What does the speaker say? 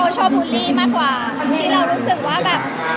จะรู้สึกว่าแบบ